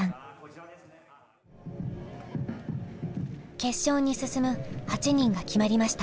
決勝に進む８人が決まりました。